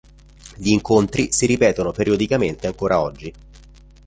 Gli incontri si ripetono periodicamente ancora oggi.